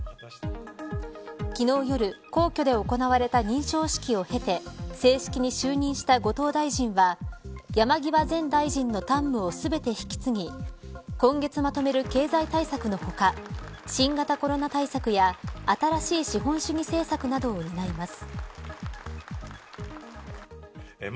昨日夜、皇居で行われた認証式を経て正式に就任した後藤大臣は山際前大臣の担務を全て引き継ぎ今月まとめる経済対策の他新型コロナ対策や新しい資本主義政策などを担います。